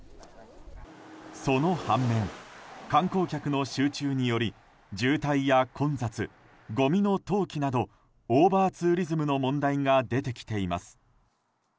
その反面、観光客の集中により渋滞や混雑、ごみの投棄などオーバーツーリズムの問題が出てきています。